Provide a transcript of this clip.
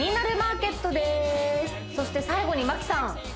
そして最後に牧さん